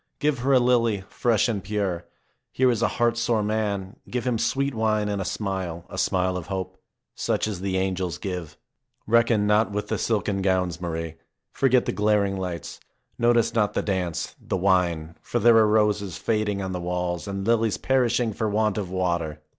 Give her a lily, fresh and pure. Here is a heart sore man. Give him sweet wine and a smile, a smile of hope, such as the angels give. Reckon not with the silken gowns, Marie. Forget the glaring lights. Notice not the dance, the wine, for there are roses fading on the walls and lilies perishing for want of water.